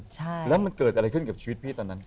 ใช่แล้วมันเกิดอะไรขึ้นกับชีวิตพี่ตอนนั้น